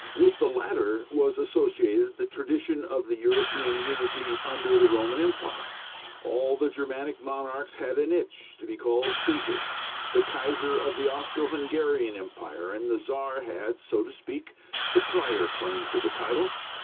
With the latter was associated the tradition of the European unity under the Roman empire; all the Germanic monarchs had an itch to be called Caesar. The Kaiser of the Austro Hungarian empire and the Czar had, so to speak, the prior claim to the title.